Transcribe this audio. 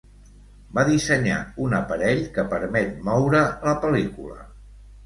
Va dissenyar un aparell que permet moure la pel·lícula.